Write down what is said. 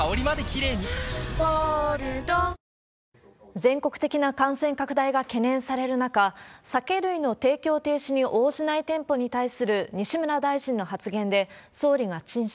全国的な感染拡大が懸念される中、酒類の提供停止に応じない店舗に対する西村大臣の発言で、総理が陳謝。